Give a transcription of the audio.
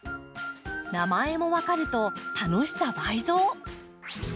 名前も分かると楽しさ倍増。